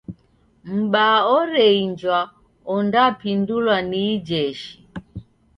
M'baa oreinjwa ondapindulwa ni ijeshi.